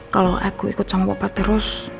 kalau aku ikut sama bapak terus